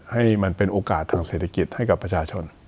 ให้มันเป็นโอกาสทางเศรษฐกิจให้กับประชาชน